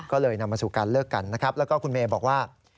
ก็เลยนำมาสู่การเลิกกันนะครับแล้วก็คุณเมย์บอกว่า